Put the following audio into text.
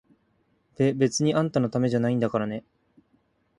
べ、別にあんたのためじゃないんだからね！